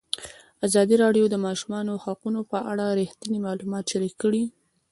ازادي راډیو د د ماشومانو حقونه په اړه رښتیني معلومات شریک کړي.